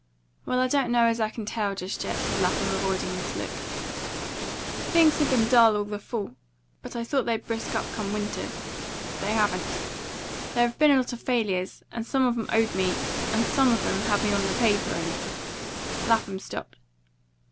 "Well, I don't know as I can tell, just yet," said Lapham, avoiding this look. "Things have been dull all the fall, but I thought they'd brisk up come winter. They haven't. There have been a lot of failures, and some of 'em owed me, and some of 'em had me on their paper; and " Lapham stopped.